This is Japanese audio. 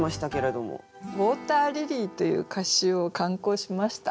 「ウォーターリリー」という歌集を刊行しました。